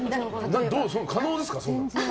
可能ですか？